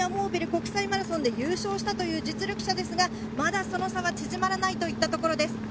国際マラソンで入賞したという実力者ですが、まだその差は縮まらないというところです。